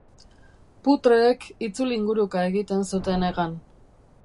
Putreek itzulinguruka egiten zuten hegan.